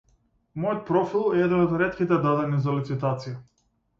Мојот профил е еден од ретките дадени за лицитација.